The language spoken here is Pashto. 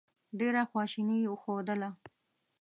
ډېره خواشیني یې ښودله.